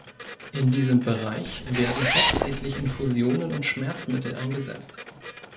In diesem Bereich werden hauptsächlich Infusionen und Schmerzmittel eingesetzt.